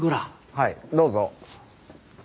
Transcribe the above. はいどうぞ。